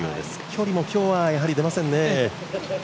距離も今日はやはり出ませんね。